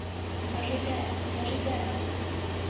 Сажидә, Сажидә!